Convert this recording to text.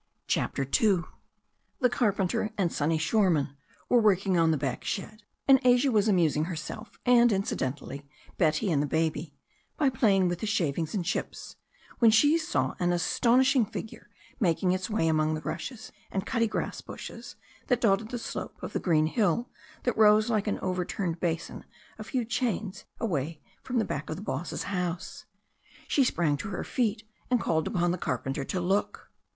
CHAPTER II THE carpenter and Sonny Shoreman were working on the back shed, and Asia was amusing herself, and incidentally Betty and the baby, by playing with the shavings and chips, when she saw an astonishing figure making its way among the rushes and cuttigrass bushes that dotted the slope of the green hill that rose like an overturned basin a few chains away from the back of the boss's house. She sprang to her feet and called upon the carpenter to look.